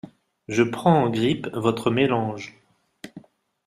Je prends en grippe votre mélange.